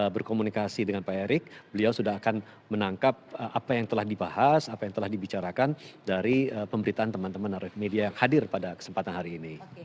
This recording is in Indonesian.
berkomunikasi dengan pak erik beliau sudah akan menangkap apa yang telah dibahas apa yang telah dibicarakan dari pemberitaan teman teman media yang hadir pada kesempatan hari ini